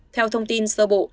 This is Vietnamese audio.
theo thông tin sơ bộ